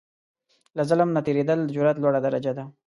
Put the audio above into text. له ظلم نه تېرېدل، د جرئت لوړه درجه ده.